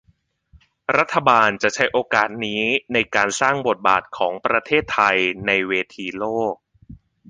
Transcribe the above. รัฐบาลจะใช้โอกาสนี้ในการสร้างบทบาทของประเทศไทยในเวทีโลก